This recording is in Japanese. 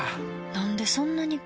なんでそんなに